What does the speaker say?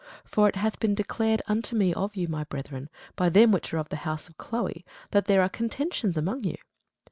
For it hath been declared unto me of you, my brethren, by them which are of the house of Chloe, that there are contentions among you.